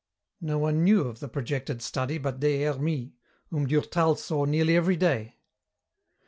No one knew of the projected study but Des Hermies, whom Durtal saw nearly every day.